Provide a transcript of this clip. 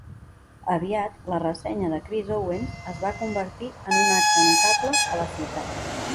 Aviat la "Ressenya de Chris Owens" es va convertir en un acte notable a la ciutat.